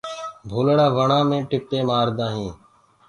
ڀولڙآ وڻآ مينٚ ٽِپينٚ مآردآ هينٚ۔